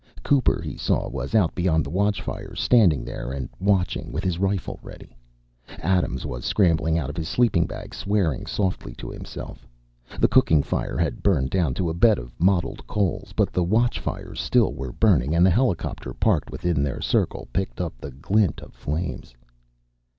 Cooper, he saw, was out beyond the watchfires, standing there and watching, with his rifle ready. Adams was scrambling out of his sleeping bag, swearing softly to himself. The cooking fire had burned down to a bed of mottled coals, but the watchfires still were burning and the helicopter, parked within their circle, picked up the glint of flames.